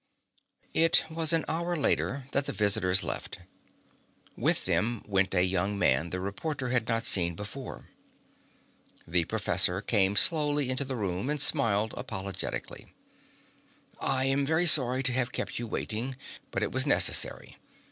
It was an hour later that the visitors left. With them went a young man the reporter had not seen before. The professor came slowly into the room and smiled apologetically. "I am very sorry to have kept you waiting, but it was necessary.